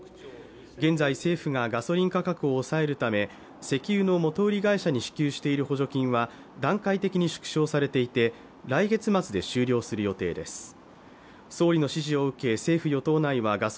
現在政府がガソリン価格を抑えるため石油の元売り会社に支給している補助金は段階的に縮小されていて来月末に終了する予定ですあ！